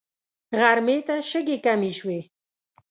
غرمې ته شګې کمې شوې.